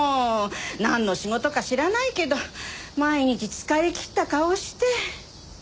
なんの仕事か知らないけど毎日疲れ切った顔して。